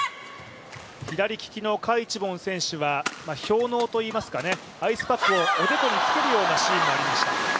左利きの賈一凡選手は氷のうといいますかね、アイスパックをおでこにつけるようなシーンもありました。